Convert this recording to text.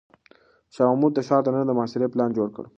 شاه محمود د ښار دننه د محاصرې پلان جوړ کړ.